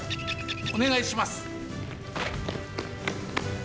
おねがいします。